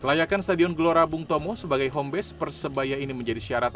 kelayakan stadion gelora bung tomo sebagai home base persebaya ini menjadi syarat